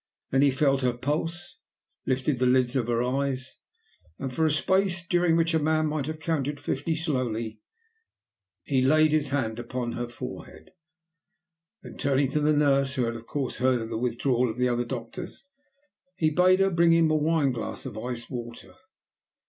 Then he felt her pulse, lifted the lids of her eyes, and for a space during which a man might have counted fifty slowly, laid his hand upon her forehead. Then, turning to the nurse, who had of course heard of the withdrawal of the other doctors, he bade her bring him a wine glass of iced water.